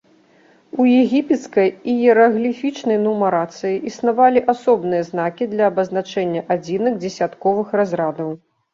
У егіпецкай іерагліфічнай нумарацыі існавалі асобныя знакі для абазначэння адзінак дзесятковых разрадаў.